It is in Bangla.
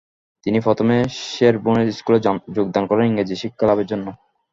তিনি প্রথমে শেরবোর্নস স্কুলে যোগদান করেন ইংরেজি শিক্ষালাভের জন্য।